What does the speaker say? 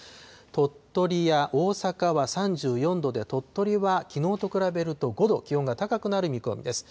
鳥取や大阪は３４度で鳥取はきのうと比べると５度気温が高くなる見込みです。